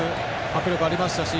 迫力がありましたし。